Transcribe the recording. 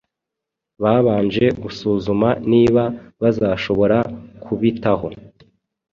babanje gusuzuma niba bazashobora kubitaho